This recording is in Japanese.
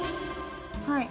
はい。